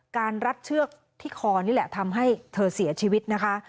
รัดเชือกที่คอนี่แหละทำให้เธอเสียชีวิตนะคะ